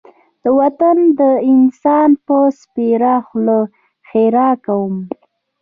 د وطن د انسان په سپېره خوله ښېرا کوم.